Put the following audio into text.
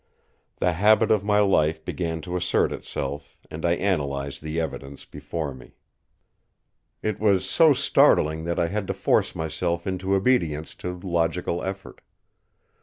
The habit of my life began to assert itself, and I analysed the evidence before me. It was so startling that I had to force myself into obedience to logical effort.